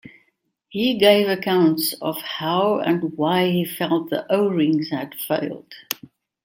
He gave accounts of how and why he felt the O-rings had failed.